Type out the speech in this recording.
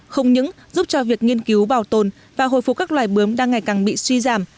không những giúp cho việc nghiên cứu bảo tồn và hồi phục các loài bướm đang ngày càng bị suy giảm